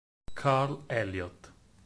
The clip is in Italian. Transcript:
Carl Elliott